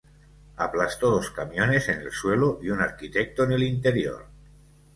Aplastó dos camiones en el suelo y un arquitecto en el interior.